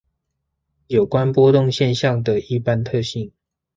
有關波動現象的一般特性